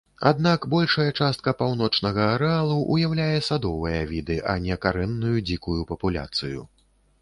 Аднак, большая частка паўночнага арэалу ўяўляе садовыя віды, а не карэнную дзікую папуляцыю.